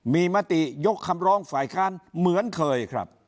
มีมติยกคำร้องฝ่ายค้านเหมือนเคยครับ